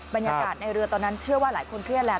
บรรยากาศในเรือตอนนั้นเชื่อว่าหลายคนเครียดแล้ว